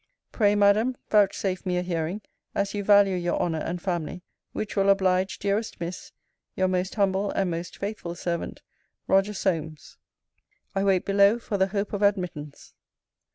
Pray, Madam, vouchsafe me a hearing, as you valew your honour and familly: which will oblidge, dearest Miss, Your most humble and most faithful servant, ROGER SOLMES. I wait below for the hope of admittance.